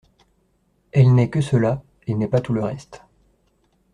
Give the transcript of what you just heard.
Elle n’est que cela et n’est pas tout le reste.